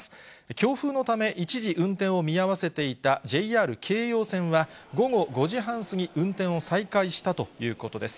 強風のため、一時運転を見合わせていたＪＲ京葉線は、午後５時半過ぎ、運転を再開したということです。